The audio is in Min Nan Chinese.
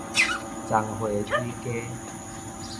棕花水雞